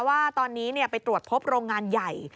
ว่าตอนนี้ไปตรวจพบโรงงานใหญ่